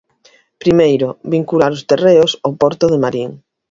Primeiro, vincular os terreos ao porto de Marín.